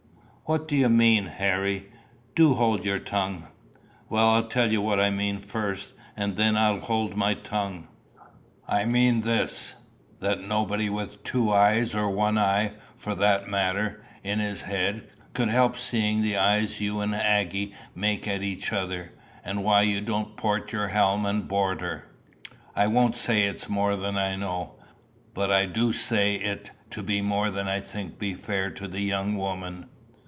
"What do you mean, Harry? Do hold your tongue." "Well, I'll tell you what I mean first, and then I'll hold my tongue. I mean this that nobody with two eyes, or one eye, for that matter, in his head, could help seeing the eyes you and Aggy make at each other, and why you don't port your helm and board her I won't say it's more than I know, but I du say it to be more than I think be fair to the young woman."